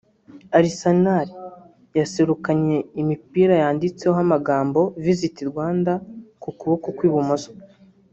Arsenal yaserukanye imipira yanditseho amagambo ‘Visit Rwanda’ ku kuboko kw’ibumoso